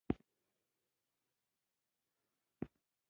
کبان دومره مزدار ووـ.